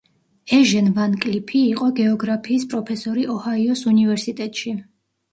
ეჟენ ვან კლიფი იყო გეოგრაფიის პროფესორი ოჰაიოს უნივერსიტეტში.